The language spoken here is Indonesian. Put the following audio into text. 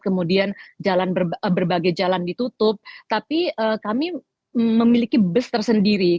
kemudian berbagai jalan ditutup tapi kami memiliki bus tersendiri